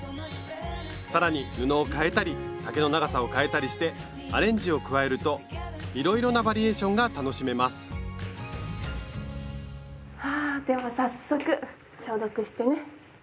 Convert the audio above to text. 更に布を変えたり丈の長さを変えたりしてアレンジを加えるといろいろなバリエーションが楽しめますはでは早速消毒してね。